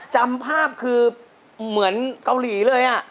จำภาพคือเหมือนเกาหลีเลย